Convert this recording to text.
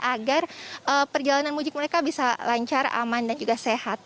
agar perjalanan mudik mereka bisa lancar aman dan juga sehat